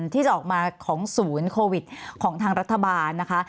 ที่จะออกมาของศูนย์โควิดของทางรัฐบาลนะคะ